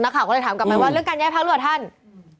ข่าวก็เลยถามกลับไปว่าเรื่องการย้ายพักหรือเปล่าท่าน